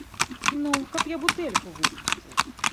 Ну, каб я бутэльку выпусціў!